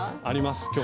あります！